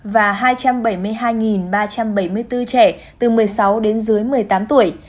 và hai trăm bảy mươi hai ba trăm bảy mươi bốn trẻ từ một mươi sáu đến dưới một mươi tám tuổi